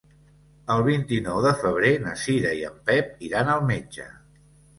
El vint-i-nou de febrer na Cira i en Pep iran al metge.